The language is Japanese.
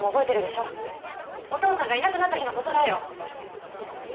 お父さんがいなくなった日の事だよ！